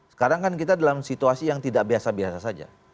sekarang kan kita dalam situasi yang tidak biasa biasa saja